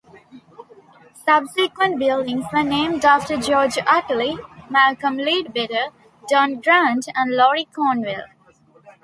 Subsequent buildings were named after George Uttley, Malcolm Leadbetter, Don Grant and Laurie Cornwell.